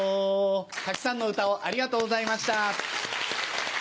たくさんの歌をありがとうございました。